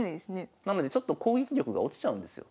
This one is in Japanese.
なのでちょっと攻撃力が落ちちゃうんですよ。